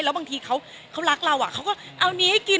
แล้วบางทีเขารักเราเขาก็เอานี้ให้กิน